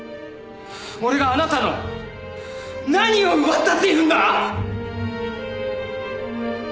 俺があなたの何を奪ったっていうんだ！？